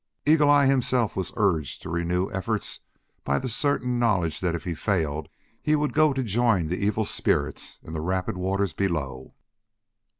Eagle eye himself was urged to renewed efforts by the certain knowledge that if he failed he would go to join the "evil spirits" in the rapid waters below.